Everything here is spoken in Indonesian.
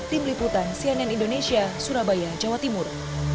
tim liputan cnn indonesia surabaya jawa timur